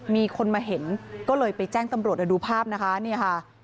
มีคนมาเห็นก็เลยไปแจ้งตำรวจแล้วดูภาพนะคะ